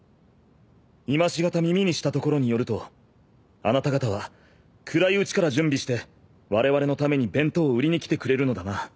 今し方耳にしたところによるとあなた方は暗いうちから準備してわれわれのために弁当を売りに来てくれるのだな。